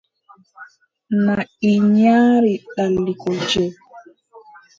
Naʼi nyaari ɗali kolce.